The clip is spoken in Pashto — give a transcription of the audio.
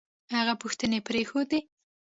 هغه پوښتنې پرېښودې